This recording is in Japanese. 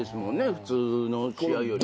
普通の試合より。